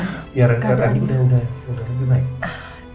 rendy sudah lebih baik